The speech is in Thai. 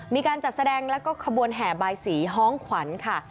มีการจัดแสดงแล้วก็ขบวนแห่บายสีฮ้องขวัญค่ะ